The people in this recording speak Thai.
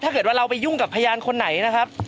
ถ้าเกิดว่าเราไปยุ่งกับพยานคนไหนนะครับ